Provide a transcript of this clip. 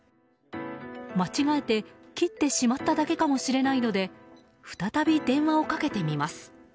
間違えて切ってしまっただけかもしれないので再び電話をかけてみます。